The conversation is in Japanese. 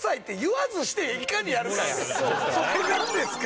「それなんですか？」